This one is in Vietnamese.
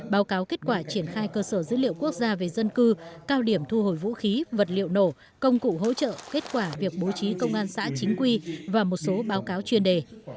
báo cáo kết quả triển khai cơ sở dữ liệu quốc gia về dân cư cao điểm thu hồi vũ khí vật liệu nổ công cụ hỗ trợ kết quả việc bố trí công an xã chính quy và một số báo cáo chuyên đề